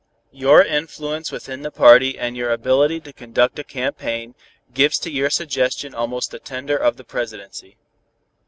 Your influence within the party and your ability to conduct a campaign, gives to your suggestion almost the tender of the presidency.